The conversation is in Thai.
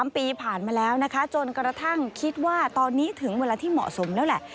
๓ปีผ่านมาแล้วนะคะจนกระทั่งคิดว่าตอนนี้ถึงเวลาที่เหมาะสมแล้วแหละ